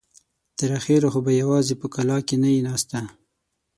تر اخره خو به يواځې په کلاکې نه يې ناسته.